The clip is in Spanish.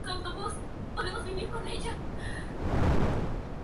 Muchas aves evolucionaron en las islas hacia formas no voladoras.